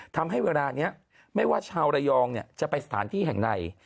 ทำให้เวลานี้ไม่ว่าชาวระยองจะไปสถานที่แห่งใด